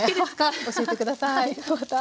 教えて下さいまた。